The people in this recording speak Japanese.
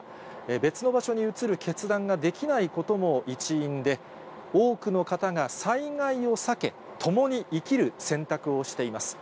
別の場所に移る決断ができないことも一因で、多くの方が災害を避け、共に生きる選択をしています。